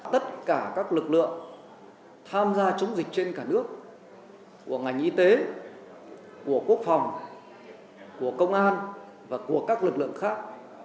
tất cả các lực lượng tham gia chống dịch trên cả nước của ngành y tế của quốc phòng của công an và của các lực lượng khác